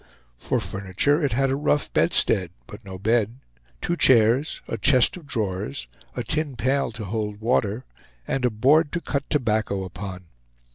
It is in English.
For furniture it had a rough bedstead, but no bed; two chairs, a chest of drawers, a tin pail to hold water, and a board to cut tobacco upon.